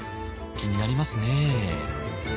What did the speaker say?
気になりますね。